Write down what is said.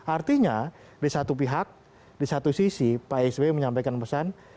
artinya di satu pihak di satu sisi pak sby menyampaikan pesan